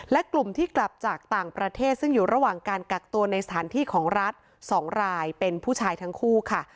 และกลุ่มที่กลับจากต่างประเทศซึ่งอยู่ระหว่างการกักตัวในสถานที่ของรัฐ๒รายเป็นผู้ชายทั้งคู่ค่ะ